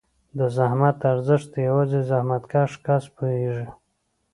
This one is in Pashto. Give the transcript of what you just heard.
د زحمت ارزښت یوازې زحمتکښ کس پوهېږي.